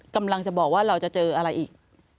กำลังจะบอกว่าเราจะเจออะไรอีก